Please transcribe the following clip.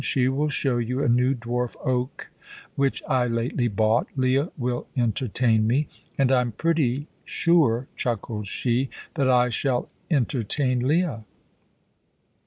She will show you a new dwarf oak which I lately bought. Leah will entertain me. And I'm pretty sure," chuckled she, "that I shall entertain Leah."